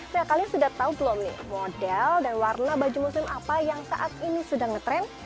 nah kalian sudah tahu belum nih model dan warna baju muslim apa yang saat ini sudah ngetrend